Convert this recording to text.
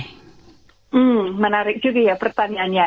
hmm menarik juga ya pertanyaannya